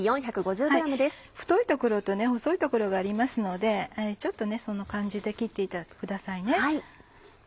太い所と細い所がありますのでちょっとその感じで切ってくださいね。